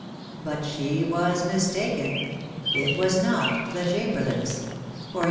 But she was mistaken, it was not the Chamberlains ; for a